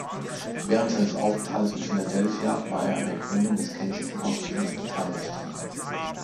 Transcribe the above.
Während seines Aufenthalts in Philadelphia war er an der Gründung des Kensington Hospitals beteiligt.